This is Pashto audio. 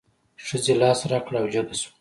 ښځې لاس را کړ او جګه شوه.